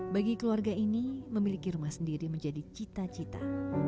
bagi keluarga ini memiliki rumah sendiri menjadi cita cita